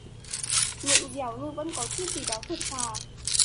Miệng dẻo nhưng vẫn có chút gì đó thật thà